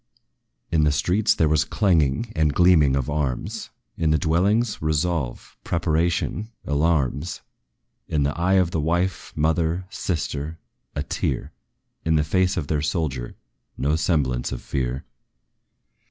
In the streets there was clanging and gleaming of arms; In the dwellings, resolve, preparation, alarms; In the eye of the wife, mother, sister, a tear; In the face of their soldier, no semblance of fear.